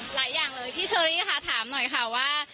หลายอย่างเลยพี่เชอรี่ค่ะถามหน่อยค่ะว่า